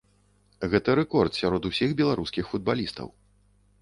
Гэта рэкорд сярод усіх беларускіх футбалістаў.